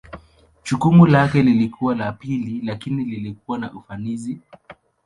Jukumu lake lilikuwa la pili lakini lilikuwa na ufanisi.